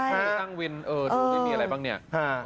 ตั้งวินมีอะไรบ้างเนี่ย